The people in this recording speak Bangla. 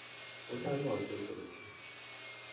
ওটা আমি অর্জন করেছি।